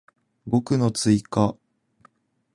語句の追加